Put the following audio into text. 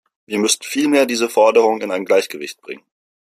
Wir müssen vielmehr diese Forderungen in ein Gleichgewicht bringen.